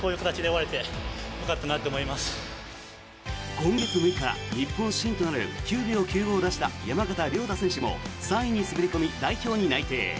今月６日日本新となる９秒９を出した山縣亮太選手も３位に滑り込み代表に内定。